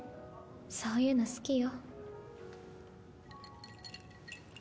そういうの好きよ。